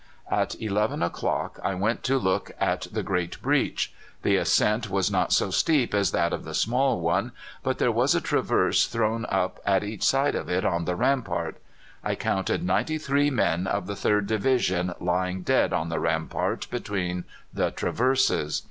"At eleven o'clock I went to look at the great breach. The ascent was not so steep as that of the small one, but there was a traverse thrown up at each side of it on the rampart. I counted ninety three men of the Third Division lying dead on the rampart between the traverses.